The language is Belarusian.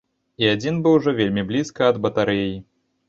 І адзін быў ужо вельмі блізка ад батарэі.